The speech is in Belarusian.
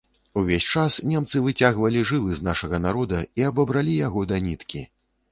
Увесь час немцы выцягвалі жылы з нашага народа і абабралі яго да ніткі.